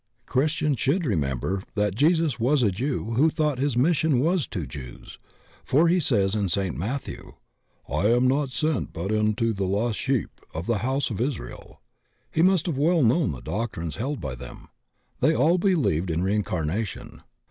Christians should remember that Jesus was a Jew who thought his mission was to Jews, for he says in St. Matthew, "I am not sent but unto the lost sheep of the house of Israel." He must have well known the doctrines held by them. They all believed in re incarnation.